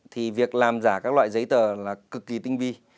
thì việc làm giả các loại giấy tờ là cực kỳ tinh vi